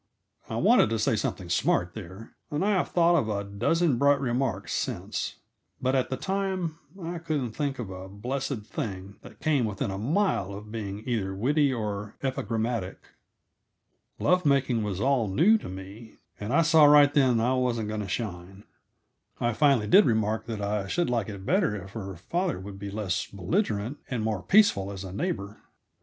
I wanted to say something smart, there, and I have thought of a dozen bright remarks since; but at the time I couldn't think of a blessed thing that came within a mile of being either witty or epigrammatic. Love making was all new to me, and I saw right then that I wasn't going to shine. I finally did remark that I should like it better if her father would be less belligerent and more peaceful as a neighbor.